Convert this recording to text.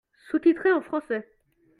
Sous-titré en français.